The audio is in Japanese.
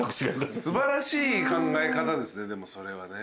素晴らしい考え方ですねでもそれはね。